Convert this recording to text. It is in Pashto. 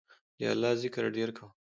د الله ذکر ډیر کوه